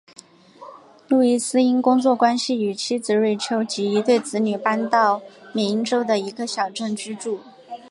路易斯因工作关系与妻子瑞秋及一对子女搬到缅因州的一个小镇居住。